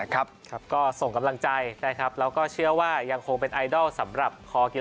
ขอบคุณครับ